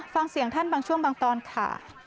ฟังเสียงท่านบางช่วงบางตอนค่ะ